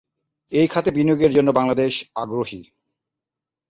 এই খাতে বিনিয়োগের জন্য বাংলাদেশ আগ্রহী।